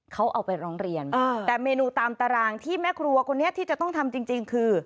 เขาเอาไปร้องเรียนแต่เมนูตามตารางที่แม่ครัวคนนี้ที่จะต้องทำจริงคือ